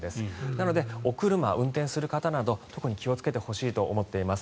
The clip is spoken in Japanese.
なので、お車を運転する方など特に気をつけてほしいと思っています。